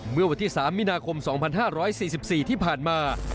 เมื่อวันที่๓มีนาคม๒๕๔๔ที่ผ่านมา